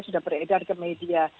sudah beredar ke media